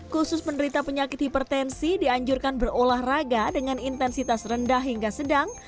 khusus penderita penyakit hipertensi dianjurkan berolahraga dengan intensitas rendah hingga sedang